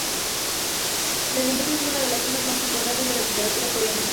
Desde entonces es una de las voces más importantes de la literatura coreana.